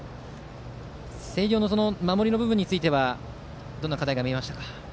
星稜の守り部分についてはどんな課題が見えましたか？